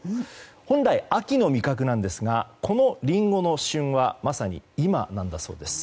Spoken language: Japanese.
本来、秋の味覚なんですがこのリンゴの旬はまさに今なんだそうです。